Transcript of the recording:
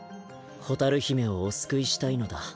蛍姫をお救いしたいのだ。